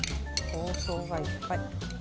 香草がいっぱい。